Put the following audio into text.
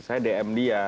saya dm dia